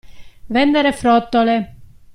Vendere frottole.